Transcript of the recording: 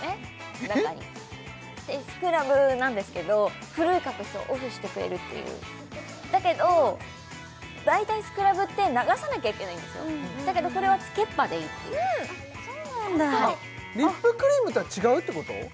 中にスクラブなんですけど古い角質をオフしてくれるっていうだけど大体スクラブって流さなきゃいけないんですよだけどこれはつけっぱでいいあっそうなんだリップクリームとは違うってこと？